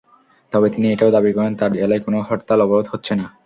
তবে তিনি এটাও দাবি করেন, তাঁর জেলায় কোনো হরতাল-অবরোধ হচ্ছে না।